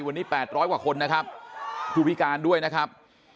วันนี้๘๐๐กว่าคนนะครับผู้พิการด้วยนะครับ